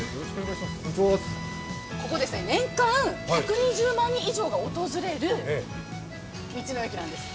ここ、年間１２０万人以上が訪れる道の駅なんです。